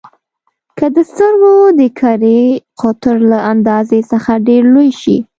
که د سترګو د کرې قطر له اندازې څخه ډېر لوی شي.